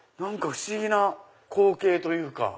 不思議な光景というか。